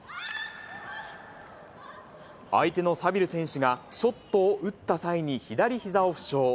相手のサビル選手が、ショットを打った際に左ひざを負傷。